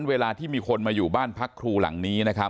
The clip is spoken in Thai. เวลาที่มีคนมาอยู่บ้านพระครูหลังนี้